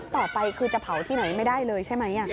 ต่อไปคือจะเผาที่ไหนไม่ได้เลยใช่ไหม